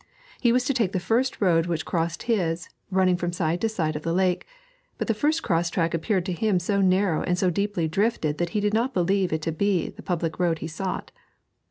He was to take the first road which crossed his, running from side to side of the lake; but the first cross track appeared to him so narrow and so deeply drifted that he did not believe it to be the public road he sought.